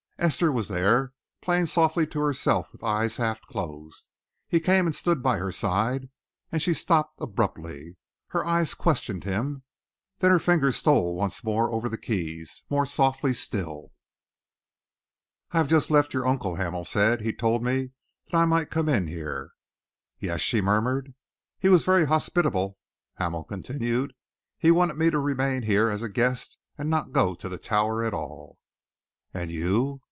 Esther was there, playing softly to herself with eyes half closed. He came and stood by her side, and she stopped abruptly. Her eyes questioned him. Then her fingers stole once more over the keys, more softly still. "I have just left your uncle," Hamel said. "He told me that I might come in here." "Yes?" she murmured. "He was very hospitable," Hamel continued. "He wanted me to remain here as a guest and not go to the Tower at all." "And you?"